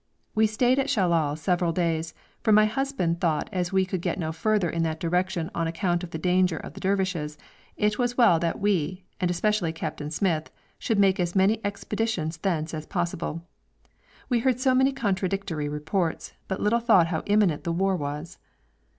We stayed at Shellal several days, for my husband thought as we could get no further in that direction on account of the danger of the Dervishes, it was as well that we, and especially Captain Smyth, should make as many expeditions thence as possible. We heard so many contradictory reports, but little thought how imminent the war was.